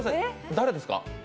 誰ですか？